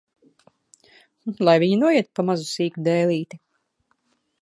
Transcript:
Lai viņa noiet pa mazu, sīku dēlīti!